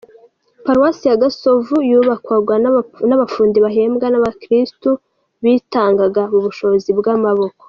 Paruwasi ya Gasovu yubakwaga n’abafundi bahembwa n’abakirisitu bitangaga mu bushobozi bw’amaboko.